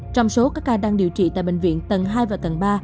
trong số các ca đang điều trị tại bệnh viện tầng hai và tầng ba